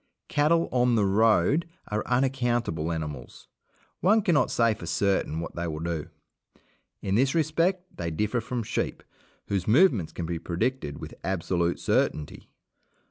Cattle "on the road" are unaccountable animals; one cannot say for certain what they will do. In this respect they differ from sheep, whose movements can be predicted with absolute certainty.